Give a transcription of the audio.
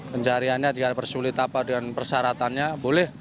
pencariannya jika ada persulit apa dengan persaratannya boleh